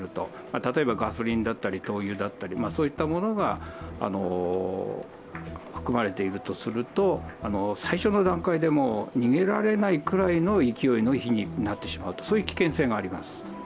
例えばガソリンだったり、灯油だったり、そういったものが含まれているとすると、最初の段階で逃げられないくらいの勢いの火になってしまう危険性があります。